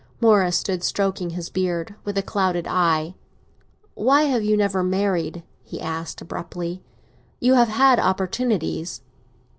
Morris stood stroking his beard, with a clouded eye. "Why have you never married?" he asked abruptly. "You have had opportunities."